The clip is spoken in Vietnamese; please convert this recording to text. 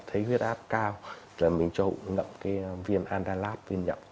thấy huyết áp cao là mình cho ngậm cái viên andalat viên nhậm